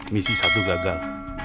misi satu gagal